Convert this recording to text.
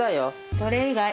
それ以外。